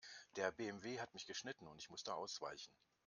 Der BMW hat mich geschnitten und ich musste ausweichen.